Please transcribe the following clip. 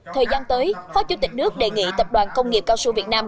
thời gian tới phó chủ tịch nước đề nghị tập đoàn công nghiệp cao su việt nam